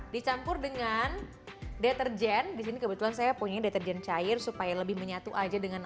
dicampur dengan deterjen disini kebetulan saya punya deterjen cair supaya lebih menyatu aja dengan